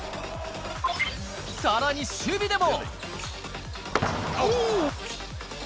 さらに守備でも。